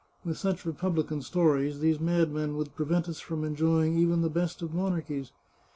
With such republican stories, these mad men would prevent us from enjoying even the best of monarchies.